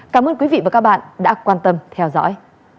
cảm ơn quý vị và các bạn đã quan tâm theo dõi